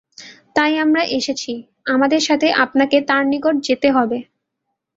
তাই আমরা এসেছি, আমাদের সাথে আপনাকে তার নিকট যেতে হবে।